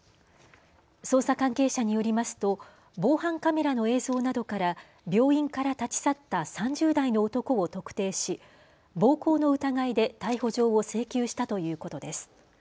捜査関係者によりますと防犯カメラの映像などから病院から立ち去った３０代の男を特定し暴行の疑いで逮捕状を請求したということです。